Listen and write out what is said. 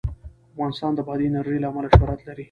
افغانستان د بادي انرژي له امله شهرت لري.